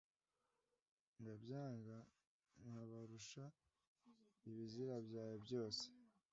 Ndabyanga kubarusha ibizira byawe byose